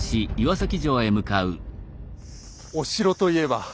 お城といえば。